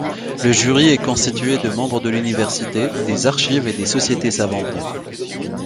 Le jury est constitué de membres de l'Université, des Archives et des Sociétés savantes.